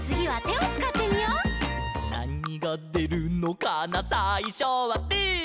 「なにがでるのかなさいしょはぶー」